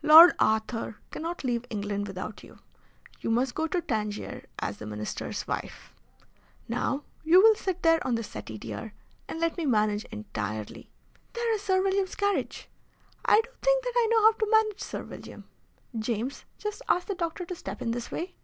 Lord Arthur cannot leave England without you. You must go to Tangier as the Minister's wife. Now, you will sit there on the settee, dear, and let me manage entirely. There is Sir William's carriage! I do think that I know how to manage Sir William. James, just ask the doctor to step in this way!"